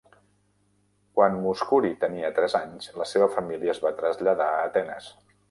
Quan Mouskouri tenia tres anys, la seva família es va traslladar a Atenes.